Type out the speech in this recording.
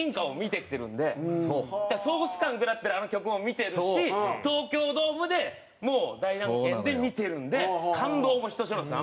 だから総スカン食らってるあの曲も見てるし東京ドームでもう大団円で見てるんで感動もひとしおなんですよ